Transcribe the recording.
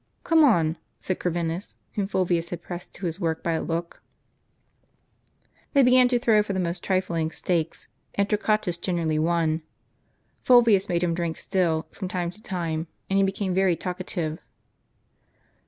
" Come on," said Corvinus, whom Fulvius had pressed to his work by a look. They began to throw for the most trifling stakes, and Tor quatus generally won. Fulvius made him drink still, from time to time, and he became very talkative.